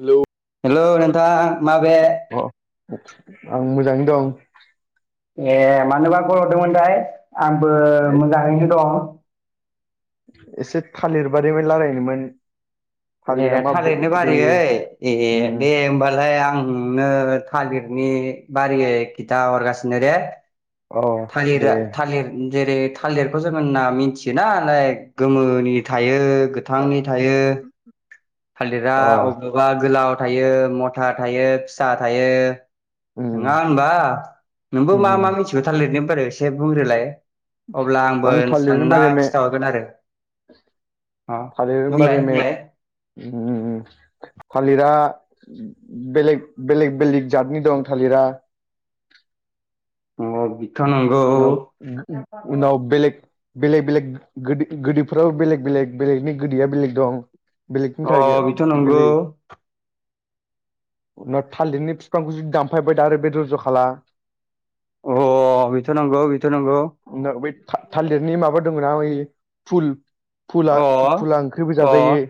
Hello hello नोंथां माबे? अ आं मोजांङै दं। ए मानोबा कल हरदोंमोनथाय आंबो मोजांङैनो दं। एसे थालिर बादै ब रायलायनोमोन। [unintelligible] ए थालिरा मा थालिरनि बेनिफिट बारियै होयो ए उम दे होमबालाय आंनो थालिर नि बारियै खिथा हरगासिनो दे अ थालिर दे थालिर जेरै थालिरखौ जोंङो ना मिथियो नालाय गोमोनि थायो। गोथांनि थायो थालिरा अ अबावबा गोलाव थायो मथा थायो फिसा थायो। उम नङा होनबा नोंबो मा -मा उम मिथिगौ थार लिरनो ब एसे बुंग्रोलाय अब्ला आंबो आं सानना खिथाहरगोन आरो अ थालिर होनबा बुंलाय ओम बुंलाय ओम थालिरा बेलेग- बेलेग -बेलेग जातनि दं थालिरा [inaudible] नंगौ बि उनाव- उनाव बेलेग बेलेग -बेलेग गो गोदैफोराव बेलेग- बेलेग बेलेगनि गोदैया बेलेग दं। बेलेगनि अ बिथ' थारगेट नंगौ बेलेग [unintelligible] उनाव थालिरनि बिफांखौसो दानफायबाय दानफायबाय दारेग बेदर‌‌ रवजवकाला। अ बेथ' नंगौ बेथ' नंगौ बै थालिरनि माबा दङना ओइ फुल अ फुला- फुला ओंख्रिबो अ जाजायो।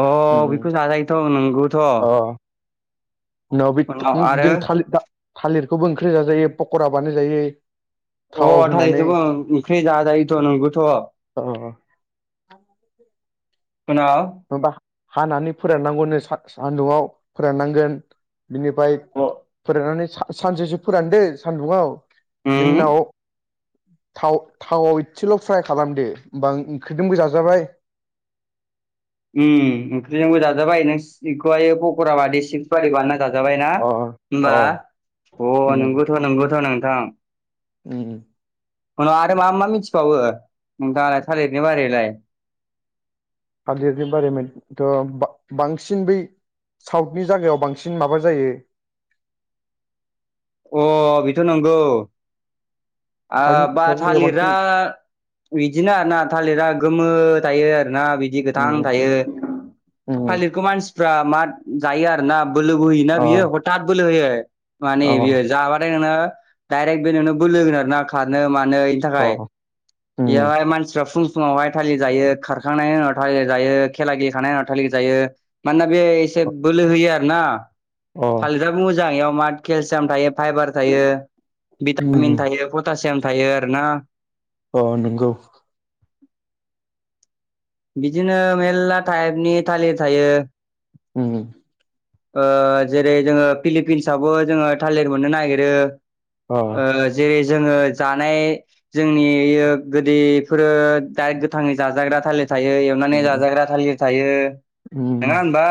अ उम बेखौ जाजायोथ' नंगौथ'। अ उनाव बे थालिर थालिरखौबो ओंख्रि जाजायो पकरा बानायजायो। थावाव अ‌' होनानै थालिर आबो ओंख्रि जाजोयोथ नंगौथ। आ उनाव माबा हानानै फोराननांगौनो सान्दुंआव फोराननांगोन बिनिफ्राय अ फोराननानै सानसेसो फोरानदो सानदुंआव बिनि उम उनाव थाव थावआव एसेल' फ्राय खालामदो होमबा ओंख्रिजोंबो जाजाबाय ़़़ उम ओंख्रिजोंबो जाजाबाय बेखौहायो पकराबादि सिफ्स बादि बानायना जाजाबायना अ होमबा अ अ' नंगौथ' नंगौथ' नोंथां। ओम ओम उनाव आरो मा मा मिथिबावो नोंथाङालाय थालिरनि बारैलाय हालिरनि बारै थ' बांसिन बै साउथनि जायागायाव बांसिन माबा जायो। अ' बेथ' नंगौ आं साउथनि बा जायगायाव थालिरा बांसिन बिदिनो आरो ना थालिरा गोमो थायो आरो ओना बिदि गोथां उम थायो उम थालिरखौ मानसि फ्रा मा जायो आरोना बोलो बो होयोना अ बियो हथत बोलो होयो। माने अ बियो जाबाथाय नोङो डाइरेक्ट बे नोंनो बलो होगोना आरो नाखारनो मोनो नै अ थाखाय उम बेयावहाय मानसिफ्रा फुं समावहाय थालिर जायो खारखांनायनि उनाव थािर जायो खेला गेलेखांनायनि उनाव थालि जायो मानोना बे एसे बोलो होयो आरोना अ थालिराबो मोजां बेयाव माथ केलसिय थायो। फाइबार थायो भिटामिन उम थायो पटासियाम थायो आरोना अ नंगौ। बिदिनो मेरला टाइपनि थालिर थायो। हम उम ओ जेरै जोङो फिलिपिन्सआवबो जोङो थालिर मोननो नागिरो अ ओ जेरै जोङो जानाय जोंनि गोदैफोरो दा गोथाङै जाजाग्रा थालिर थायो एवनानै उम जाजाग्रा थालिर थायो उम नङा होमबा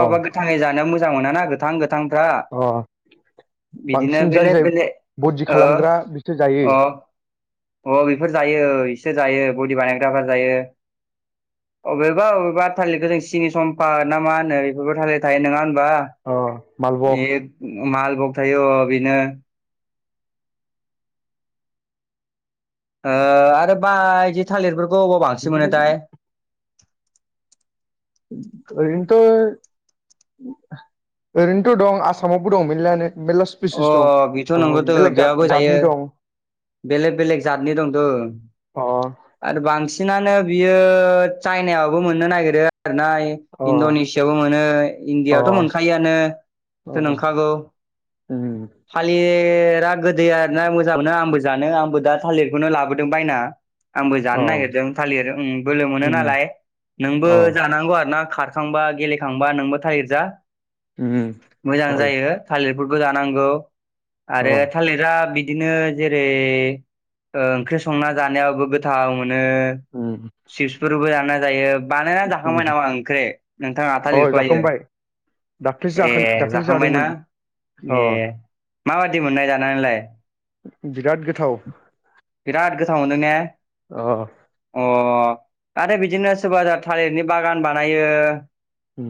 अ अबबा जानो मोजां मोनना गोथां गोथांफ्रा। अ बिदिनो बांसिन जाय बेलेक जाय बेलेक बदि ओ खालामग्रा बिसोर जायो अ अ' बेफोर जायो इसे जायो बडि बानायग्राफ्रा जायो। अबेबा -अबेबा थालिरखौ जों सिनि सम्पा ना मा होनो बेफोरबो थालिर थायो नङा अ मालबग [inaudible] मालबग थायो अ बेनो। ओ आरो बायदि थालिरफोरखौ अबाव बांसिन बिदिनो मोनोथाय? ओरैनोथ' ओरैनोथ' दं आसामावबो दं मोनलानो। मेरला स्पिसिस अ बेथ' दं नंगौथ' बेलेग जात बेयावबो जायो जातनि दं। बेलेग बेलेक जतनि दंथ औ अ आरो बांसिन सिनानो बियो चाइनायावबो मोननो नागिरो देरनाय अ इणड'नेसियाबो मोनो अ इण्डियाआवथ' मोनखायोआनो। बेथ अ नांखागौ। फालि बेराद गोदै आरोना मोजां मोनो आंबो जानो आंबो दा थालिरखौनो लाबोदों बायना। आंबो जानो नागिरदों थालिरि बोलो मोनो नालाय। नोंबो जानांगौ आरो ना। खारखांबा गेलेखांबा नोंबो थालिर जा उम, मोजां हय, जायो थालिर फोरखौ जानांगौ आरो अ', थालिरा बि बिदिनो जेरै ओंख्रि संना जानायाबो गोथाव मोन नों उम, सिप्सफोरबो जाना जायो। बानायना जाखांबाय उम, नामा ओंख्रि नोंथाङा अ' थालिरखौ हायो। जाखांबाय दाख्लैसो ए जाखोन दाख्लैसो जादोंमोन जाखांबायना। ए अ' माबादि मोननाय जानानैलाय? बिराद गोथाव। बिराद गोथाव मोनदों ने। अ। अ आरो बिदिनो सोरबा [unintelligible] थालिरनि बागान बानायो। उम,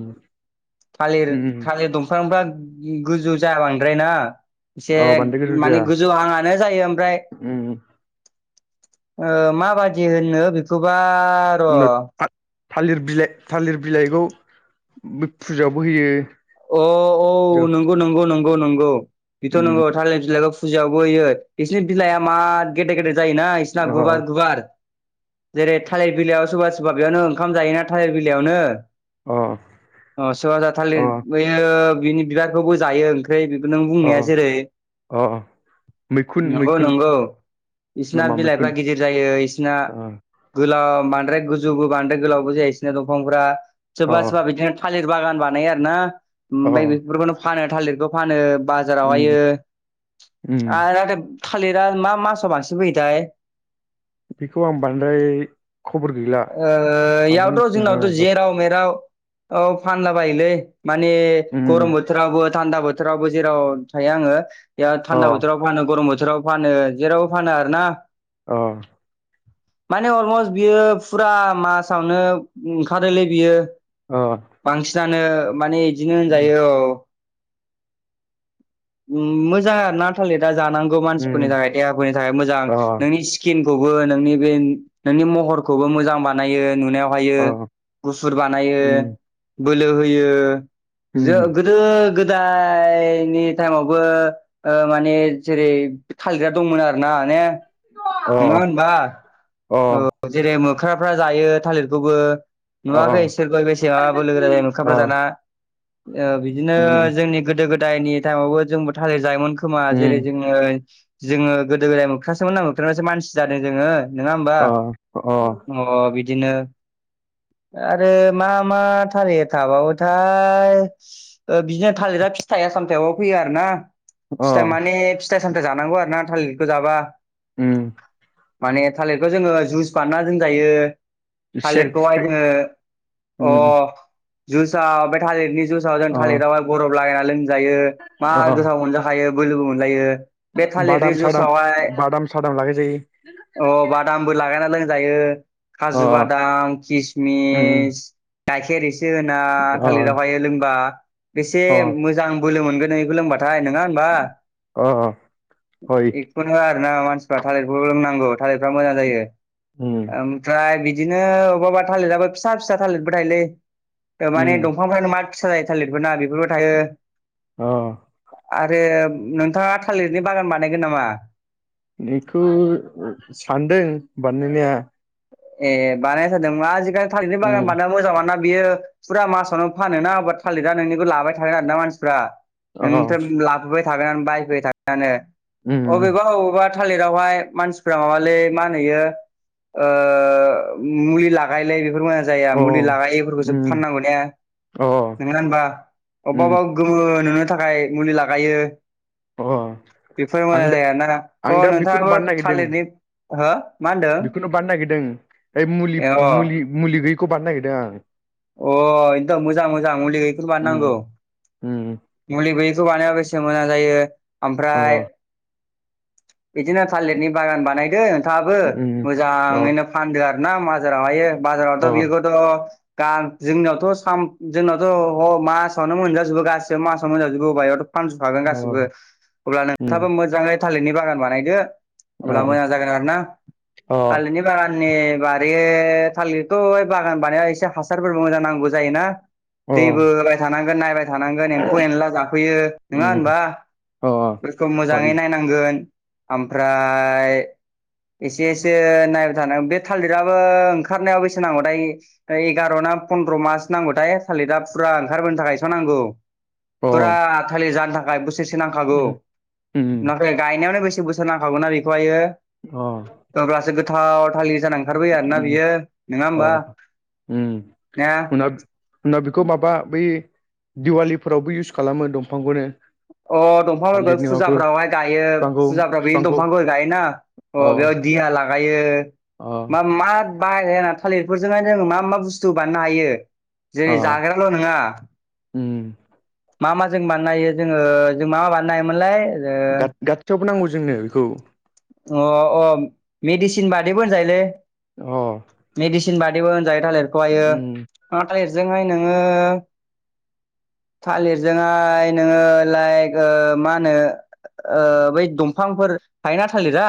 थालिर उम, थालिर दंफांफ्रा गोजौ जा बांद्राय ना। एसे अ' बानलु माने गोरजिया गोजौ हांआनो जायो ओमफ्राय। उम, ओ माबादि होनो बेखौबा र' नो थालिर बिलाइ थालिर बिलाइखौ बे फुजायावबो होयो अ औ फुजायाव नंगौ नंगौ नंगौ नंगौ बेथ' उम, नंगौ थाइलेर बिलाइखौ फुजायावबो होयो बिसोरनि बिलाइआ मा गेदेर गेदेर जायोना बिसोरना अ' गुवार गुवार। जेरै थालिर बिलाइयाव सोरबा सोरबा बेयावनो ओंखाम जायोना थालिर बिलाइयावनो। अ सोरहा जाथालिर अ' बेयो बिनि बिबारखौबो जायो। ओमफ्राय बेखौ नों बुंनाया अ' जेरै अ' मैखुन नंगौ मैखुन नंगौ। बिसोरना नामा मैखुन बिलाइफ्रा गिदिर जायो बिसोरना अ' गोलाव बांद्राय गोजौबो बांद्राय गोलावबो जाया बिसोरनख दंफांफोरा। सोरबा अ' सोरबा बिदिनो थालिर बागान बानायो आरोना ओमफ्राय अ' बेफोरखौनो फानो थालिरखौ फानो। उम, बाजारावहायो उम, आरो थालिरा मा मासाव बांसिन फैयोथाय। [unintelligible] बेखौ आं बांद्राय खबर गैला। ओ बांद्राय इयावथ' जोंनावथ' मिथिनाय जेराव मेराव औ फानला बायोलै माने उम गरम बोथोरावबो थान्दा बोथ थोरावबो जेराव थायो आङो थान्दा अ बोथाव फानो गरम बो बोथोराव फानो जेरावबो फानो आरो ना। अ। माने अलमस्ट बियो फुरा मासावनो ओंखारोलै बियो। अ। जानो माने बिदिनो होनजायो औ। मोजां ना थाललि दा जानांगौ मानसिफोरनि उम थाखाय देहाफोरनि थाखाय मोजां अ नोंनि स्किन। खौबो नोंनि बे नोंनि महरखौबो मोजां बानायो। नुनायाव हायो अ गुफुर बानायो उम बोलो होयो। ज उम गोदो गोदायनि टाइमावबो माने जेरै थालिरग्रा दंमोन आरो ना माने अ नङा होनबा अ ओ जेरै मोख्राफ्रा जायो थालिरखौबो अ नुवाखै सोरबा बेसे [unintelligible] बोलो गोरा राजायो अ ओंखामफोरा जाना। ओ बिदिनो उम जोंनि गोदो गोदा दायनि टाइमावबो जोंबो थालिर जायोमोन खोमा जेरै उम जोङो जोङो गोदो गोदाय मोखथासोमोन ना मुख्रबासो मानसि जादों जोङो। नङा हबा अ अ अ बिदिनो आरो मा मा थारि थाबोथाय बिदिनो थालिरा फिथाइ सामथायाव फैयो आर ना अ फिथाय माने फिथाइ सामथाय जानांगौ आरो ना थालिरखौ जाबा उम। माने थालिरखौ जोङो जुइस बानना दोनजायो सेक थालिरखौहाय सेक जोङो अ उम जुसाव बे थालिरनि जुसाव जों अ थालिरावाय गरफ लागायना लोमजायो मा अ गोसाव मोनजाखायो बोगो बो मोनलायो बे थालिरनि बादाम सादाम जुसावहाय बादाम सादाम लागाय जायो [unintelligible] अ बादामबो लागायना लों जायो खाजु अ बादाम उम किसमिस गाइखेर इस होना अ थालिरावहायो लोंबा एसे अ मोजां बोलो मोनगोन [unintelligible] लोंबा थ थाय नङा होनबा अ हय [inaudible] एखनो मानसिफ्रा थालिरों लोंनांगै थालिर मोजां जायो उम औमफ्राय बिदिनो बबेबा थालिराबो फिसा फिसा थालिरबो थायलै माने उम दंफांफ्रानो मा फिसा जायो थालिरफोर ना बेफोरबो थायो अ आरो नोंथाङा थालिरनि बागान बानायगोन नामा? बेखौ सानदों बानायनाया ए बानायादों जादोंबा आजिखालि थालिरनि बागान उम बानाया मोजां मानो ना बियो फुरा मासावनो फानोना बा थालिरा नोंनिखौ लाबाय थागोन आरोना मानसिफ्रा। अ [unintelligible] लाबोबाय थागोन बायफैबाय थागानो उम अबेबा अबेबा थालिरावहाय मानसिफ्रा माबालै मा होनयो इयो ओ मुलि लागायलायोलै फोरमा जाया अ मुलि लागायोफोरखौसो उम फाननांगौ ने अ नङा होनबा अब्बा उम अब्बा गोमो नुनो थाखाय मुलि लागायो अ [inaudible] बेफोर मोजां आं दा जाया ना अ आं दा बेखौनो नोंथाङाबो बानायनो नागिरदों थालिरनि हो मा होनदों बेखौनो बारनो नागिरदों ओइ मुलि अ मुलि मुलि गैयैखौ बारनो नागिरदों आं। अ एकदम मोजां मोजां मुलि गैख बानोनांगौ। उम उम मुलि गैयैखौ बानाया बेसे मोजां जायो ओमफ्राय अ बिदिनो थालिरनि बागान बानायदों नोंथाङाबो उम अ मोजाङैनो फानदो आर ना माजार अ बाजार बिखौथ गा जोंनियावथ' साम जोंनावथ' ह मासावनो मोनजाजोबो गास मास [unintelligible] फानसुखागोन गासिबो अ अब्ला उम नोंथाङाबो मोजाङै थालिरनि बागान बानायदो अ अब्ला मोजां जागोन आरोना अ थालिरनि बागाननि बारे थालिरथ' इ बागान बानायाव इसे हासारफोरबो मोजां नांगौ जायोना अ दैबो होबाय थानांगोन नायबाय थानांगोन [unintelligible] फौ एनला जाफैयो नङा उम होनबा अ बेखौ मोजाङै हायो नायनांगोन ओमफ्राय एसे एसे नायबाय थानोांग बे थालिराबो ओंखारनायाव बेसे नांगौ थाय ओ एगार' ना पन्द्र' मास नांगौथाय थालिरिरा फुरा ओंखारबोनो थाखायस' नांगौ अ फुरा थालिर जानो थाखाय बोसोरसे नांखागौ उम उम नाथाय गायनायावानो बेसे बोसोर नांखागौ ना बेखौहायो अ अब्लासो गोथाव थालिर जाना ओंखारबोयो आरो ना उम बियो नङा होमबा? अ उम ना उना उनाव बेखौ माबा बै दिवालिफोरावबो इउस खालामो दंफांखौनो अ दंफांफोरखौ थालिरनि माबाखौ फुजाफ्रावहाय गायो बिफांखौ फुजाफ्राव बेनि बिफांखौ दंफांफोर गायोना अ बेयाव दिहा ला गायो अ मा मा बाय थालिरफोरजोंहाय जों मा मा बुस्थु बाननो हायो अ जेरै जाग्राल' नङा उम मा मा जों बानायनो हो जोङो जों मा मा बानायनो होमोनलाय गार गाथसियावबो नांगौ जोंनो बेखौ अ अ मेडिसिन बादिबो होनजायोलै अ मेडिसिन बादिबो होनजायो थालिरखौहायो उम थालिरजोंहाय नोङो थालिरजोंहाय नोङो लाइक मा होनो ओ बै दंफांफोर फाइना थालिरा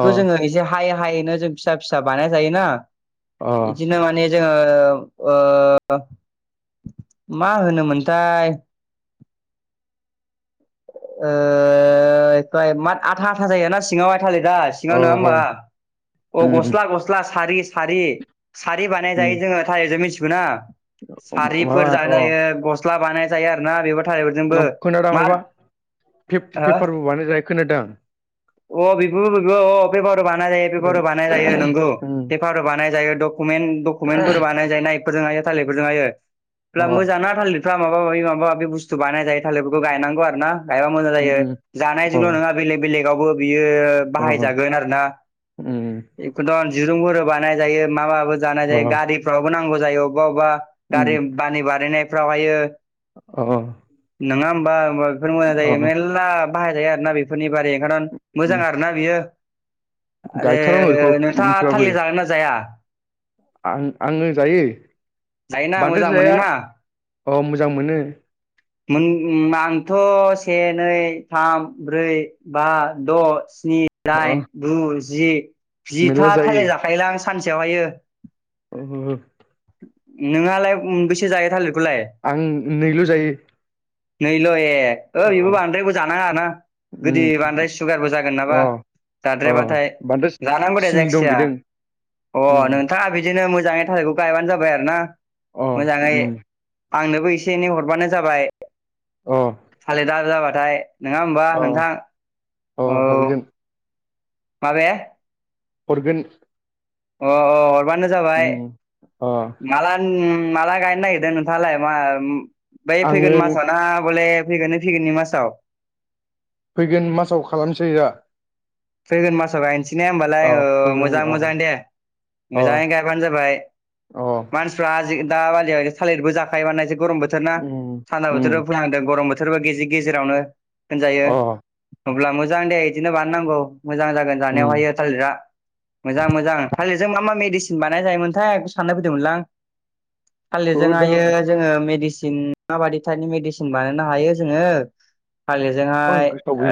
अ जोङो एसे हायै हायैनो जों फिसा फिसा बानाय जायोना अ बिदिनो माने जोङो मा होनोमोनथाय ओ आथा आथा जाय ना सिङाव थाललि दा सिङाव अ नङा होमबा हय अ उम गस्ला गस्ला सारि सारि सारि बानाय उम जायो जोङो थारिरजों मिथिगौ ना उम माबा सारिफोर अ जानाय जायोस सिस्ला बानाय जायो आरोोना बेबो थालफोरजोंबो मा हो पेपारबो बानायानाय खोनादों अ बिबोबो अ पेपार बानाय जायो पेपार बानाय जायो नोंगौ उम पेपार बानाय जायो कमेनथ डकुमेन्टफोर बानायजायोनायकफोरजों हायो थालिरफोरजों हायो अ हब्ला मोजाङ ना थालिर माबा माबि माबा माबि बुस्थु बानाय जायो थालिर बेफोरखौ गायनांगौ आरोना गायबा मोजां जायो उम अ जानायजोंल' नङा बेलेग बेलेगावबो बियो बाहाय अ जागोन आरोना उम दिरुंफोर बानाय जायो जानाय अ जायो गारिफ्रावबो नांगौ जायो अबेबा अबेबा उम गारि बानि बारनायफ्रावहायो अ नङा होमबा ह बेफोर मोजां जायो म अ मेरला बाहायजायो आर ना बेफोरनि बारै उम मोजां आर ना बियो आरो गायथारनांगौ बेखौ नोंथाङा मिथिबाबो थालिर जागोन ना जाया आं आङो जायो जायना बांद्राय मोजां जाया मोनोना अ मोजां मोनो आंथ' से नै थाम ब्रै बा द' स्नि अ दाइन गु जि मेरला जिथा थालिर जाखायोलां सानसेयावहायो। [unintelligible] नोंहालाय मोनबेसो जायो थालिर आं नैल' जायो नैल' ओ बेबो अ बांद्रायबो जानाङाना गोदै उम बांद्राय सुगारबो जागोन अ नामा अ जाद्रायाबाथाय बांद्राय जानांगौ दे सिनि दं जायखिजाया बिदों अ उम नोंथाङा बिदिनो मो मोजाङै थाखायखौ गायबानो जाबाय आरो ना अ मोजाङै आंनोबो एसे एनै हरबानो जाबाय अ थालिरदा जाबाथाय नङा होमबा अ नोंथां अ औ हरगोन माबाया हरगोन अ अ हरबानो जाबाय उम अ माला माला गायनो नागिरदों नोंथाङालाय मा बै फैगोन आङो मासाव न बले थगिनि थिगिनि मासाव फैगोन मासाव खालामसै दा फैगोन मासाव गायनोसै ने होमबालाय अ फैगोन मोजां अ मोजां दे अ मोजाङै गायबानो जाबाय अ मानसिफ्रा- दा बालियाव थालिरबो जाखायो माने एसे गरम बोोरा उम सान्दा उम बोथोरबो फोांदों गरम बोथोर बोथोरबो गेजेर गेजेरावनो होनजायो अ अब्ला मोजां दे बिदिनो बानायनांगौ मोजां जागोन उम जानायावहायो थालिरा मोजां मोजां थालिरजों मा मा मेडिसिन बानाय जायोमोनथाय साननाय फैदोंमोनलां बेखौ थालिरजों दा ह जोो मसि जों माबायि थाइपनि मेडिसिन बानायनो हायो जोङो आं गोसोआव थालिरजोंहाय गैला